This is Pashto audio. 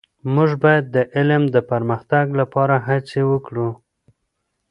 موږ باید د علم د پرمختګ لپاره هڅې وکړو.